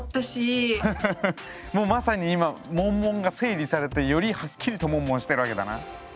もうまさに今モンモンが整理されてよりはっきりとモンモンしてるわけだな。